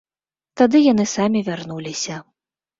Тады яны самі вярнуліся.